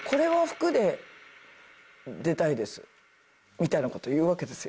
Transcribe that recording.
みたいな事言うわけですよ。